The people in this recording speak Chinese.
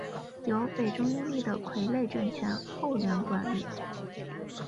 由北周拥立的傀儡政权后梁管理。